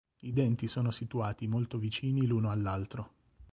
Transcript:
I denti sono situati molto vicini l'uno all'altro.